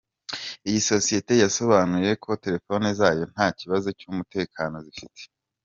Iyi sosiyete yasobanuye ko telefoni zayo nta kibazo cy’umutekano zifite.